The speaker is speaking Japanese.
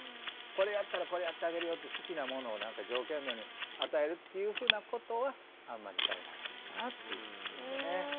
これやったらこれやってあげるよって好きなものを条件のように与えるっていうふうなことはあんまりされない方がいいかなっていうことなんですよね。